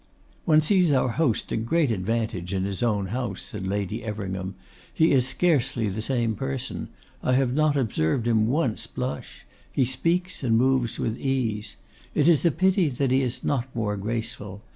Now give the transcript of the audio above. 'One sees our host to great advantage in his own house,' said Lady Everingham. 'He is scarcely the same person. I have not observed him once blush. He speaks and moves with ease. It is a pity that he is not more graceful.